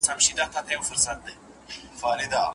زما د دوو سترگو ډېوو درپسې ژاړم